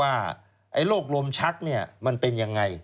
ไอรูกลมชักเนี่ยมันเป็นยังไง